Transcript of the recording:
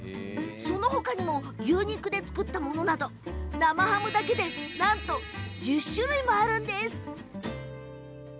そのほかにも牛肉で作ったものなど生ハムだけでなんと１０種類もあるんです。